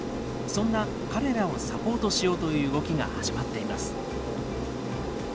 そんな彼らをサポートしようという動きが始まっています。